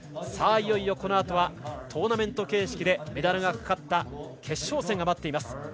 いよいよこのあとはトーナメント形式でメダルがかかった決勝戦が待っています。